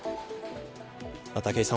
武井さん